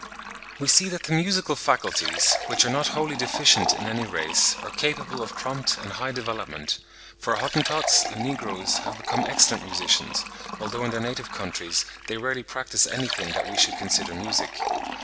We see that the musical faculties, which are not wholly deficient in any race, are capable of prompt and high development, for Hottentots and Negroes have become excellent musicians, although in their native countries they rarely practise anything that we should consider music.